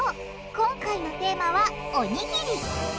今回のテーマはおにぎり！